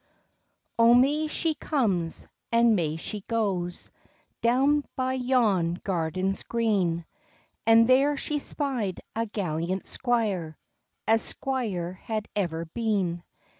O MAY she comes, and may she goes, Down by yon gardens green, And there she spied a gallant squire As squire had ever been.